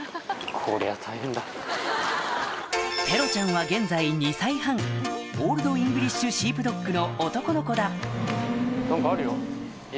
ペロちゃんは現在２歳半オールド・イングリッシュ・シープドッグの男のコだ何かあるよ。